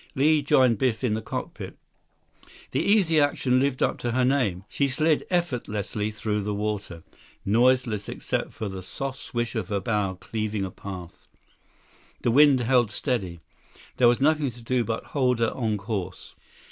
Li joined Biff in the cockpit. The Easy Action lived up to her name. She slid effortlessly through the water, noiseless except for the soft swish of her bow cleaving a path. The wind held steady. There was nothing to do but hold her on course.